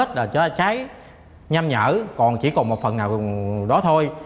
trên người thì nó cháy hết cháy nhăm nhở còn chỉ còn một phần nào đó thôi